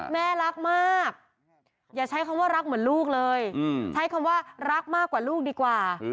แม่รักมากอย่าใช้คำว่ารักเหมือนลูกเลยใช้คำว่ารักมากกว่าลูกดีกว่า